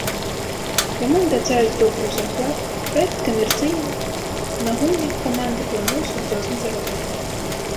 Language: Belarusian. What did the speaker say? Яму абяцаюць добрую зарплату: праект камерцыйны, на гульнях каманда плануе сур’ёзна зарабляць.